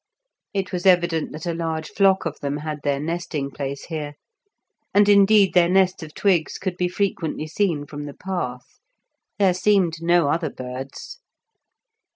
It was evident that a large flock of them had their nesting place here, and indeed their nests of twigs could be frequently seen from the path. There seemed no other birds.